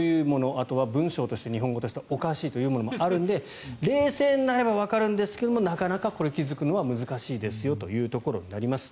あとは文章として、日本語としておかしいというものもあるので冷静になればわかるんですがなかなか気付くのが難しいということになります。